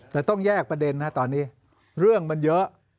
แต่ต้องแยกประเด็นนะตอนนี้เรื่องมันเยอะ